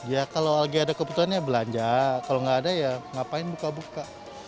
ya kalau lagi ada kebutuhan ya belanja kalau nggak ada ya ngapain buka buka